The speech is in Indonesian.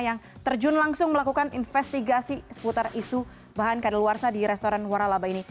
yang terjun langsung melakukan investigasi seputar isu bahan kadaluarsa di restoran waralaba ini